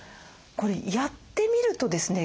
これやってみるとですね